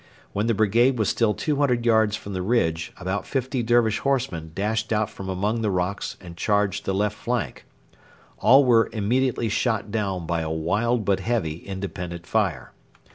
When the brigade was still 200 yards from the ridge, about fifty Dervish horsemen dashed out from among the rocks and charged the left flank. All were immediately shot down by a wild but heavy independent fire.